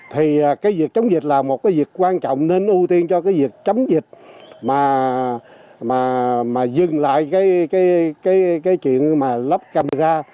thì cái việc chống dịch là một cái việc quan trọng nên ưu tiên cho cái việc chống dịch mà dừng lại cái chuyện mà lắp camera